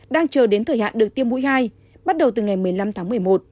đang chờ đến thời hạn được tiêm mũi hai bắt đầu từ ngày một mươi năm tháng một mươi một